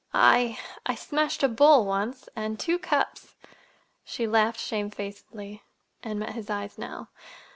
I—I smashed a bowl once, and two cups." She laughed shamefacedly, and met his eyes now.